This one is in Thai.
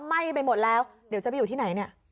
ไหม้ไปหมดแล้วเดี๋ยวจะไปอยู่ที่ไหนเนี่ย